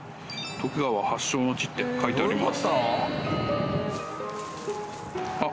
「徳川氏発祥の地」って書いてありますね。